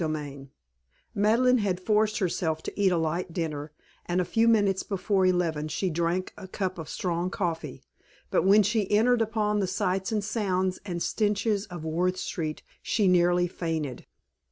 XLIII Madeleine had forced herself to eat a light dinner, and a few minutes before eleven she drank a cup of strong coffee; but when she entered upon the sights and sounds and stenches of Worth Street she nearly fainted.